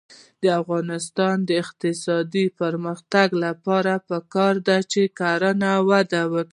د افغانستان د اقتصادي پرمختګ لپاره پکار ده چې کرنه وده وکړي.